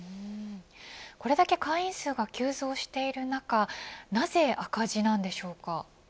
これだけ会員数が急増している中なぜ赤字なんでしょうか。